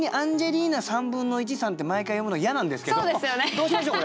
どうしましょう？